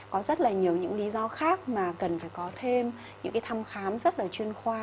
có rất là nhiều những lý do khác mà cần phải có thêm những cái thăm khám rất là chuyên khoa